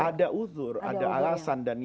ada uzur ada alasan